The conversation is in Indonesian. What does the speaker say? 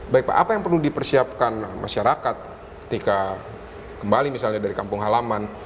baik pak apa yang perlu dipersiapkan masyarakat ketika kembali misalnya dari kampung halaman